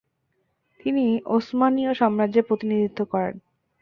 তিনি উসমানীয় সাম্রাজ্যের প্রতিনিধিত্ব করেন।